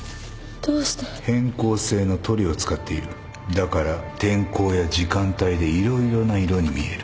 だから天候や時間帯で色々な色に見える。